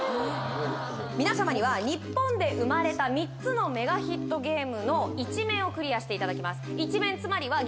皆様には日本で生まれた３つのメガヒットゲームの１面をクリアしていただきます